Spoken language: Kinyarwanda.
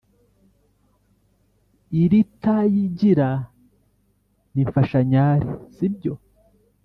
iritayigira ni “mfashanyare” sibyo